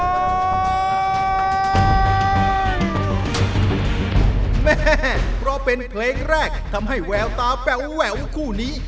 แม่เพราะเป็นเพลงแรกทำให้แววตาแป๋วคู่นี้